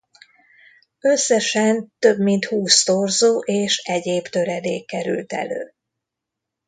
Összesen több mint húsz torzó és egyéb töredék került elő.